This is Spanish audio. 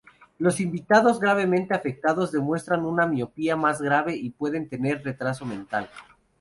Los individuos gravemente afectados demuestran una miopatía más grave y pueden tener retraso mental.